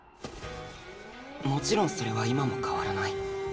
もちろんそれは今も変わらない